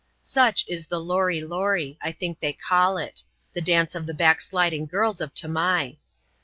Such is the Lory Lory, I think they call it ; the dance of the backsliding gkls of Tamai.